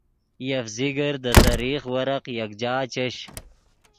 یف ذکر دے تریخ ورق یکجا چش